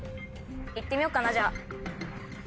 行ってみようかなじゃあ。